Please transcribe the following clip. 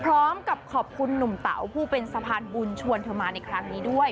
พร้อมกับขอบคุณหนุ่มเต๋าผู้เป็นสะพานบุญชวนเธอมาในครั้งนี้ด้วย